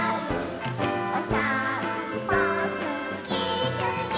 「おさんぽすきすき」